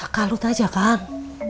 kalut aja kang